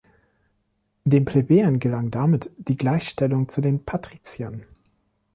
Den Plebejern gelang damit die Gleichstellung zu den Patriziern.